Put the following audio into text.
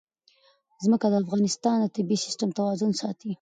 ځمکه د افغانستان د طبعي سیسټم توازن ساتي.